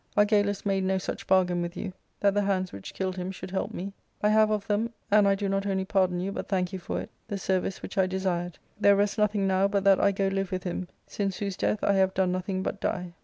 Argalus made no such bargain with you: that the hands which killed him should help me. I have of them — and I do not only pardon you, but thank you for it— the service which I desired. There rests nothing now but that I go live with him since whose death I have done nothing but die."